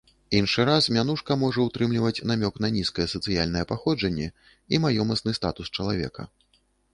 Іншы раз мянушка можа ўтрымліваць намёк на нізкае сацыяльнае паходжанне і маёмасны статус чалавека.